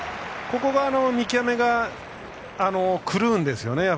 そこの見極めが狂うんですよね。